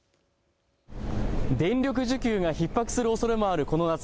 電力需給がひっ迫するおそれもあるこの夏。